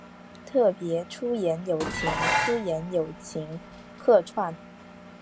特别出演友情出演友情客串